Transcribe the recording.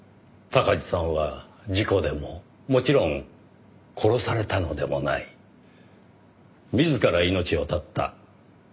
鷹児さんは事故でももちろん殺されたのでもない自ら命を絶った。